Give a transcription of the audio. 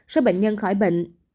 số bệnh nhân khỏi bệnh